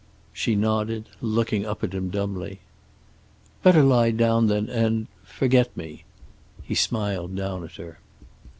She nodded, looking up at him dumbly. "Better lie down, then, and forget me." He smiled down at her.